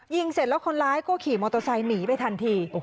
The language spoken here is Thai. เสร็จแล้วคนร้ายก็ขี่มอเตอร์ไซค์หนีไปทันที